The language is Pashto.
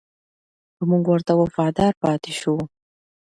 که موږ ورته وفادار پاتې شو.